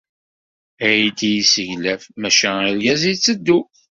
Aydi yesseglaf, maca argaz yetteddu.